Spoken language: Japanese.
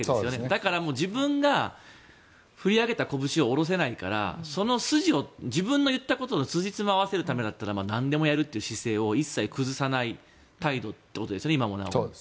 だから、自分が振り上げたこぶしを下ろせないからその筋を自分の言ったことのつじつまを合わせるためだったらなんでもやるという姿勢を一切崩さない態度ということですよね。